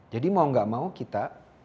jadi mau tidak mau kita